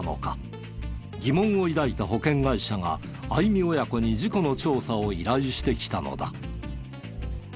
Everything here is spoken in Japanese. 疑問を抱いた保険会社が相見親子に事故の調査を依頼してきたのだ。